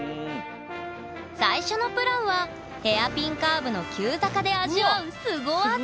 最初のプランはヘアピンカーブの急坂で味わうスゴ技！